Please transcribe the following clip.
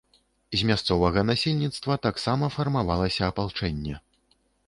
З мясцовага насельніцтва таксама фармавалася апалчэнне.